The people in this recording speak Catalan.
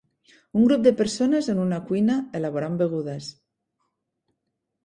Un grup de persones en una cuina elaborant begudes.